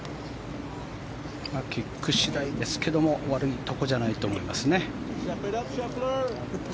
キック次第ですけど悪いところじゃないと思いますね。